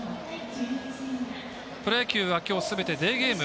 プロ野球は今日すべてデーゲーム。